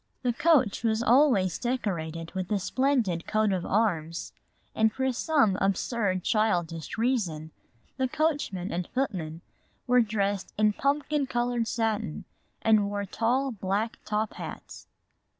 The coach was always decorated with a splendid coat of arms, and for some absurd childish reason the coachman and footmen were dressed in pumpkin colored satin and wore tall black top hats.